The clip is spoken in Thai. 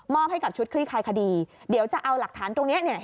ให้กับชุดคลี่คลายคดีเดี๋ยวจะเอาหลักฐานตรงนี้